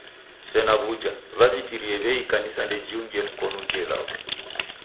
Sena w'uja, wazitirie w'ei ikanisa ndejiungie mkonu ijo ilagho.